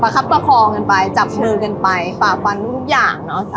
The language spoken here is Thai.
คับประคองกันไปจับเชิงกันไปฝ่าฟันทุกอย่างเนอะ